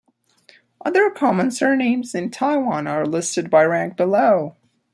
Other common surnames in Taiwan are listed by rank below.